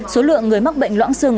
số lượng người mắc bệnh loãng xương